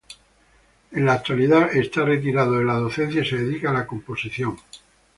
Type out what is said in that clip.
En la actualidad está retirado de la docencia y se dedica a la composición.